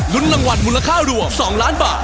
รางวัลมูลค่ารวม๒ล้านบาท